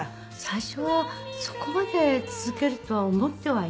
最初はそこまで続けるとは思ってはいなかったです。